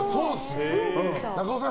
中尾さん